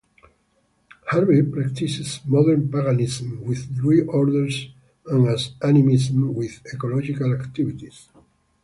Harvey practices modern Paganism with druid orders and as animism with ecological activists.